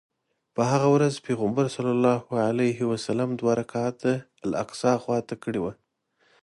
په هغه ورځ پیغمبر صلی الله علیه وسلم دوه رکعته الاقصی خواته کړی و.